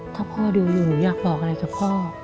ถ้าพ่อดูอยู่หนูอยากบอกอะไรกับพ่อ